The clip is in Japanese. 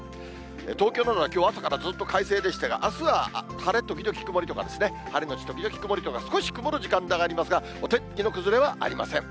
東京などはきょう朝からずっと快晴でしたが、あすは晴れ時々曇りとかですね、晴れ後時々曇りとか、少し曇る時間がありますが、お天気の崩れはありません。